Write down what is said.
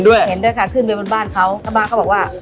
ได้เห็นด้วยขึ้นไปบ้านเขาพาบ้านเขาบอกว่า